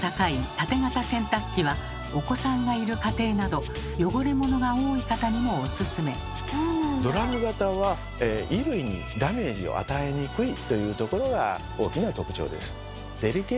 タテ型洗濯機はお子さんがいる家庭などドラム型は衣類にダメージを与えにくいというところが大きな特徴です。